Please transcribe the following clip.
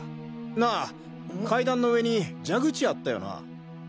なあ階段の上に蛇口あったよなァ。